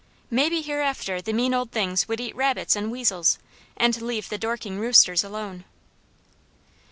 Maybe hereafter the mean old things would eat rabbits and weasels, and leave the Dorking roosters alone.